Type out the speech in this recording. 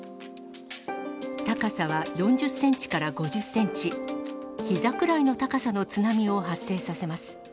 高さは４０センチから５０センチ、ひざくらいの高さの津波を発生させます。